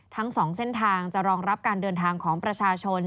ทั้ง๒เส้นทางจะรองรับการเดินทางของประชาชน